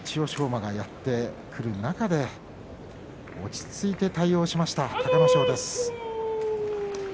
馬がやってくる中で落ち着いて対応しました隆の勝です。